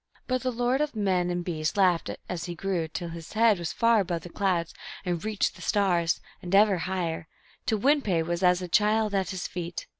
But the lord of men and beasts laughed as he grew till his head was far above the clouds and reached the stars, and ever higher, till Win pe was as a child at his feet.